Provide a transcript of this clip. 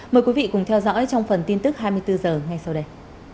mời quý vị cùng theo dõi trong phần tin tức hai mươi bốn h ngay sau đây